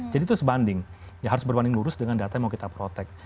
jadi itu sebanding ya harus berbanding lurus dengan data yang mau kita protek